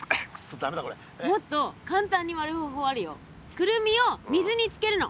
クルミを水につけるの。